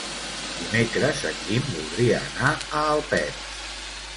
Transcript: Dimecres en Guim voldria anar a Alpens.